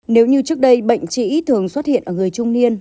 nếu như trước đây bệnh trĩ thường xuất hiện ở người trung niên